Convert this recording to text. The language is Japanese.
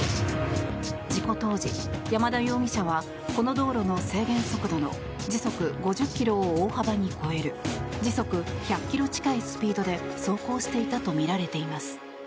事故当時、山田容疑者はこの道路の制限速度の時速５０ｋｍを大幅に超える時速１００ｋｍ近いスピードで走行していたとみられています。